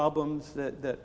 banyak masalah yang